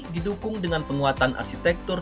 didukung dengan penguatan arsitektur